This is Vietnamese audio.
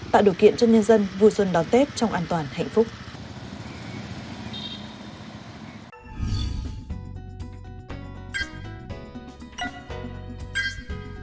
tạo điều kiện cho nhân dân vui xuân đón tết trong an toàn hạnh phúc